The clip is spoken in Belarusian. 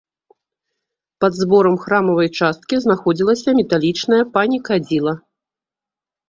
Пад зборам храмавай часткі знаходзілася металічнае панікадзіла.